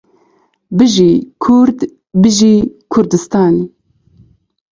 بژی کورد بژی کوردستان